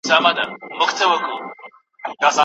پانګه وال لا هم خلګ استثماروي.